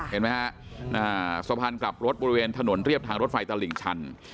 เห็นไหมฮะสะพานกลับรถบริเวณถนนเรียบทางรถไฟตลิ่งชัน